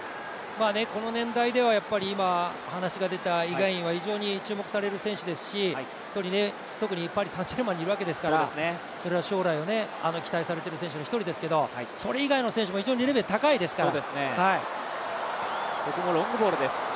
この年代では、イ・ガンインは非常に注目される選手ですし、特にパリ・サン＝ジェルマンにいるわけですから、将来を期待されている選手の一人ですけど、それ以外の選手も非常にレベル高いですから。